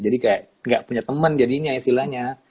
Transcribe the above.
jadi kayak gak punya teman jadinya silahnya